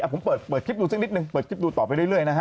อะผมเปิดคลิปดูซักนิดนึงต่อไปเรื่อยนะฮะ